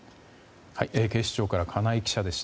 警視庁から金井記者でした。